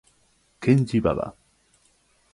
Kenji Baba